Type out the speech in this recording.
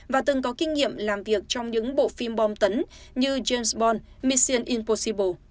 và từng có kinh nghiệm làm việc trong những bộ phim bom tấn như james bond mission impossible